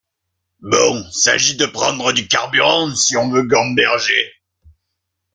Bon, s’agit de prendre du carburant, si on veut gamberger.